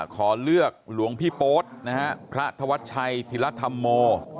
ขอเลือกหลวงพี่โป๊ดนะฮะพระธวัชชัยธิรธรรมโม